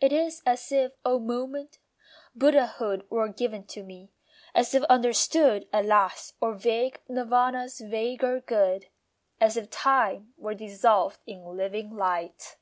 It is as if, a moment, Buddhahood Were given to me; as if understood At last were vague Nirvana's vaguer good; As if time were dissolved in living light.